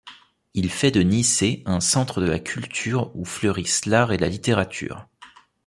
Il fait de Nicée un centre de culture où fleurissent l'art et la littérature.